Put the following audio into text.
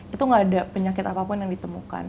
itu gak ada penyakit apapun yang ditemukan